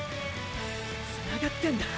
つながってんだ。